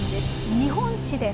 「日本史」です。